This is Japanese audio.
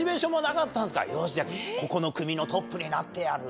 よしじゃここの組のトップになってやる！